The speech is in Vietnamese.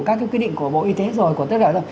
các cái quyết định của bộ y tế rồi của tất cả